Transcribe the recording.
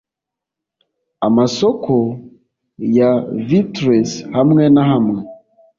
amasoko ya vittles hamwe na hamwe.